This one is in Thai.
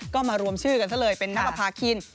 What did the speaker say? ก็มารวมชื่อกันซะเลยเป็นนับประพาคิน